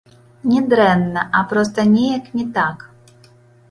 Не дрэнна, а проста неяк не так.